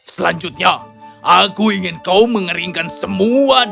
selanjutnya aku ingin kau mengeringkan semua darah